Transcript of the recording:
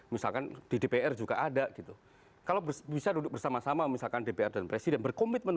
misalkan di dpr juga ada gitu kalau bisa duduk bersama sama misalkan dpr dan presiden berkomitmen